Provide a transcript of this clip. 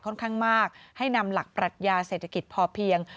ค่อนข้างมากให้นำหลักปรัชญาเศรษฐกิจพอเพียง